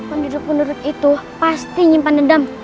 penduduk penduduk itu pasti nyimpan dendam